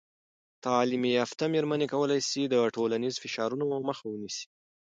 تعلیم یافته میرمنې کولی سي د ټولنیز فشارونو مخه ونیسي.